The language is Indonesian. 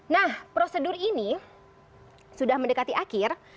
nah prosedur ini sudah mendekati akhir